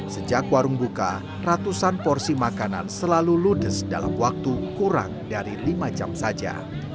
sejak warung buka ratusan porsi makanan selalu ludes dalam waktu kurang dari lima jam saja